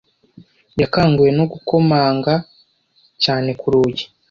Yakanguwe no gukomanga cyane ku rugi.